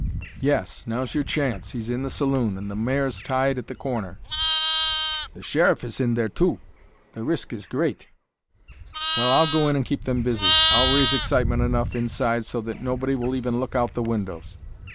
"Yes; now's your chance. He's in the saloon, and the mare's tied at the corner." "The Sheriff is in there, too. The risk is great." "Well, I'll go in and keep them busy. I'll raise excitement enough inside so that nobody will even look out of the windows.